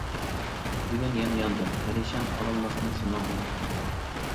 بۈگۈن يەنە ياندىم پەرىشان، ئالالماستىن سېنىڭدىن خەۋەر.